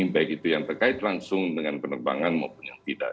baik itu yang terkait langsung dengan penerbangan maupun yang tidak